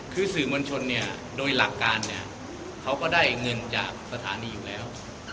คือสื่อมวลชนเนี่ยโดยหลักการเนี่ยเขาก็ได้เงินจากสถานีอยู่แล้ว